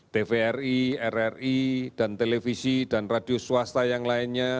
tvri rri dan televisi dan radio swasta yang lainnya